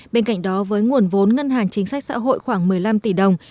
bên cạnh đó với nguồn vốn ngân hàng chính sách xã hội khoảng một mươi năm tỷ đồng